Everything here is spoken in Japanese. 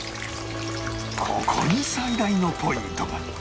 ここに最大のポイントが